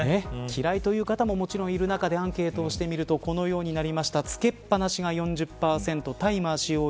嫌いという方ももちろんいる方でアンケートをしてみるとこのようになりました。